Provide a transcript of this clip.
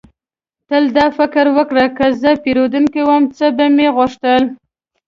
تل دا فکر وکړه: که زه پیرودونکی وم، څه به مې غوښتل؟